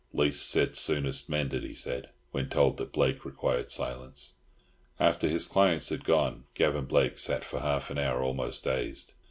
"Least said soonest mended," he said, when told that Blake required silence. After his clients had gone, Gavan Blake sat for half an hour almost dazed.